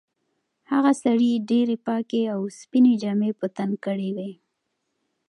هغه سړي ډېرې پاکې او سپینې جامې په تن کړې وې.